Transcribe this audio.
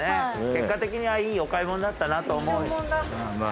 結果的にはいいお買い物だったなと思う。